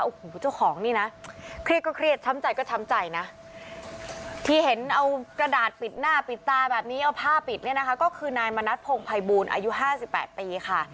โอ้โหเจ้าของนี่นะเครียดก็เครียดช้ำใจก็ช้ำใจนะที่เห็นเอากระดาษปิดหน้าปิดตาแบบนี้เอาผ้าปิดเนี่ยนะคะก็คือนายมณัฐพงภัยบูลอายุ๕๘ปีค่ะ